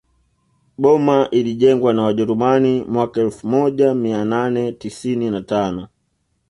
Boma ilijengwa na wajerumani mwaka elfu moja mia nane tisini na tano